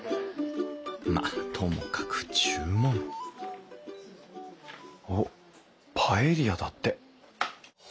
まあともかく注文おっパエリアだって。